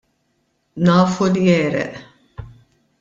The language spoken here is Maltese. Nafu li għereq.